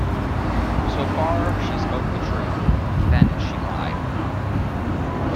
So far she spoke the truth; then she lied.